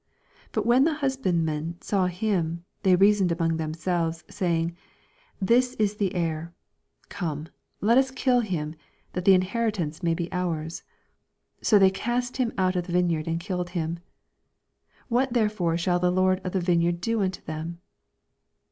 14 But when the husbandmen saw him, theyreasoned among themselves, saying, This is the heir : come, let us kill him, that the inheritanoe may be ours. 15 So they cast him out of the vineyard, and killed him. What therefore shall the lord of the vine yard do unto them